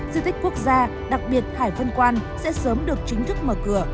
di tích quốc gia đặc biệt hải vân quan sẽ sớm được chính thức mở cửa